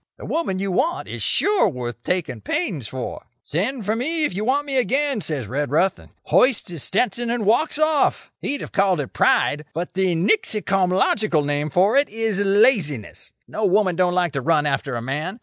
The woman you want is sure worth taking pains for. "'Send for me if you want me again,' says Redruth, and hoists his Stetson, and walks off. He'd have called it pride, but the nixycomlogical name for it is laziness. No woman don't like to run after a man.